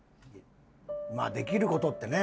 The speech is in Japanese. できることってね。